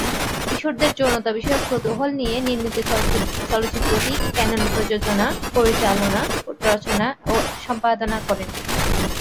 কিশোরদের যৌনতা বিষয়ক কৌতূহল নিয়ে নির্মিত চলচ্চিত্রটি ক্যানন প্রযোজনা, পরিচালনা, রচনা ও সম্পাদনা করেন।